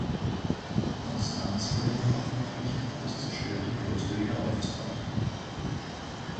Konstanz wurde hierauf verpflichtet, das zerstörte Kloster wieder aufzubauen.